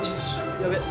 やべっ。